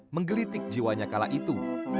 menggelitik jiwanya kala itu